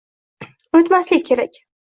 Unutmaslik kerak.